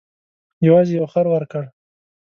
یوازې یو خر ورکړ.